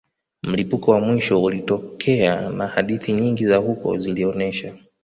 Mlipuko wa mwisho ulitokea na hadithi nyingi za huko zilionesha